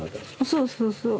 そうそうそう。